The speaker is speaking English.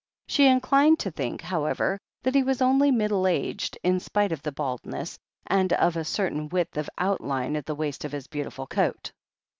She inclined to think, however, that he was only middle aged, in spite of the baldness, and of a certain width of outline at the waist of his beautiful coat.